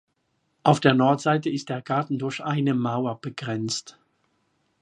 Auf der Nordseite ist der Garten durch eine Mauer begrenzt.